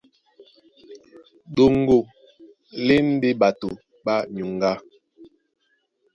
Ɗoŋgo lá e ndé ɓato ɓá nyuŋgá.